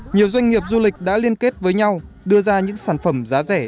nhiều doanh nghiệp du lịch đã liên kết với nhau đưa ra những sản phẩm giá rẻ